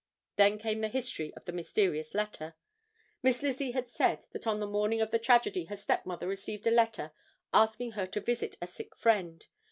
Then came the history of the mysterious letter. Miss Lizzie had said that on the morning of the tragedy her stepmother received a letter asking her to visit a sick friend.